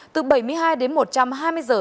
từ bảy mươi hai đến một trăm hai mươi giờ